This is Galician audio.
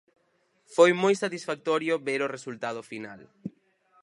Foi moi satisfactorio ver o resultado final.